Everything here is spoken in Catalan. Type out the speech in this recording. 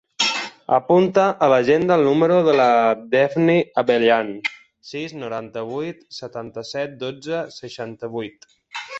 Apunta a l'agenda el número de la Dafne Abellan: sis, noranta-vuit, setanta-set, dotze, seixanta-vuit.